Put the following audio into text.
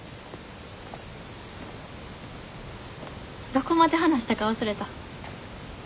どこまで話したか忘れた。